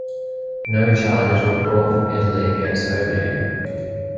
No charges were brought from Italy against Obiang.